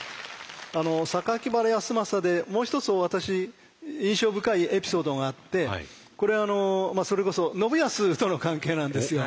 榊原康政でもう一つ私印象深いエピソードがあってこれそれこそ信康との関係なんですよ。